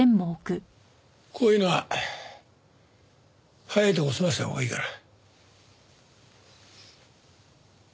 こういうのは早いとこ済ませたほうがいいから。